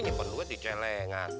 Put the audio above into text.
nyimpen duit di celengan